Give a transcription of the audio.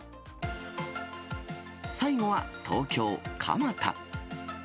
最後は東京・蒲田。